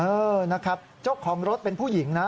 เออนะครับเจ้าของรถเป็นผู้หญิงนะ